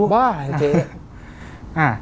สนุกบ้ายเจ๊